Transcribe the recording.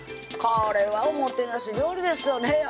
これはおもてなし料理ですよね